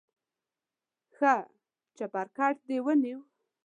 ښه چپرکټ دې ونیو.